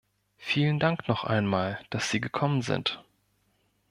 Vielen Dank noch einmal, dass Sie gekommen sind.